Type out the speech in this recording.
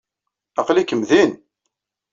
Aql-ikem din!